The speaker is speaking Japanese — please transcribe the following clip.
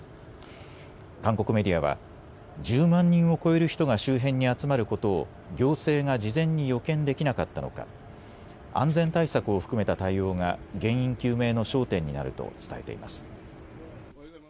韓国メディアは１０万人を超える人が周辺に集まることを行政が事前に予見できなかったのか、安全対策を含めた対応が原因究明の焦点になると伝えています。